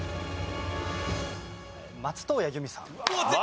松任谷由実さん